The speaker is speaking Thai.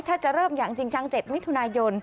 ถ้าจะเริ่มอย่างจริงจัง๗มิถุนายน